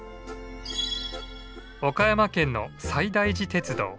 岡山県の西大寺鉄道。